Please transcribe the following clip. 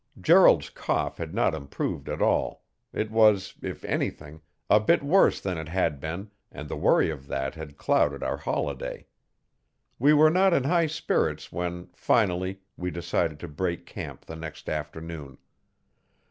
Gerald's cough had not improved at all it was, if anything, a bit worse than it had been and the worry of that had clouded our holiday. We were not in high spirits when, finally, we decided to break camp the next afternoon.